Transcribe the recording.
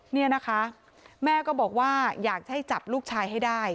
เนี่ยนะคะแม่ก็บอกว่าอยากให้จับลูกชายให้ได้